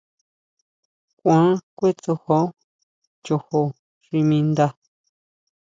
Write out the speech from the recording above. Kuan kʼuetsojo chojo xi mi ndá.